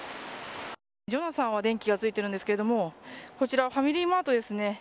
ジョナサンは電気がついているんですがこちらファミリーマートですね。